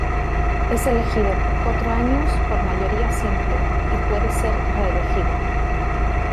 Es elegido por cuatro años por mayoría simple y puede ser reelegido.